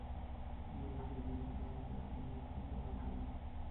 যে বই পড়তে পছন্দ করেন তাঁদের জন্য মোক্ষম দাওয়াই বই।